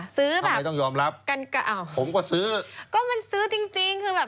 ทำไมต้องยอมรับกันก็อ้าวผมก็ซื้อก็มันซื้อจริงจริงคือแบบ